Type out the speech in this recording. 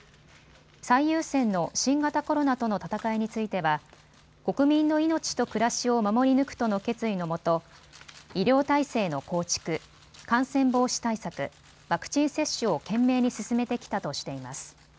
最優先の新型コロナとの戦いについては国民の命と暮らしを守り抜くとの決意のもと、医療体制の構築、感染防止対策、ワクチン接種を懸命に進めてきたとしています。